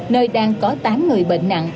nơi đang có tám người bệnh nặng